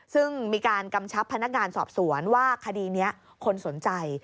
ซึ่งมีการกำชับพนักงานสอบสวนว่าคดีนี้คนสนใจ